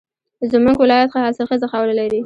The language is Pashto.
زمونږ ولایت ښه حاصلخیزه خاوره لري